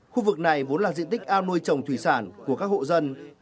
khu vực này vốn là diện tích ao nuôi trồng thủy sản của các hộ dân